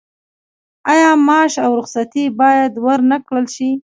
آیا معاش او رخصتي باید ورنکړل شي؟